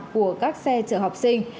của các xe chở học sinh